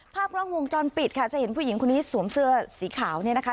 ภาพกล้องวงจรปิดค่ะจะเห็นผู้หญิงคนนี้สวมเสื้อสีขาวเนี่ยนะคะ